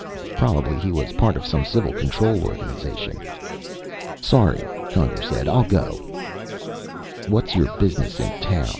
Probably he was part of some civil control organization. "Sorry," Conger said. "I'll go." "What's your business in town?"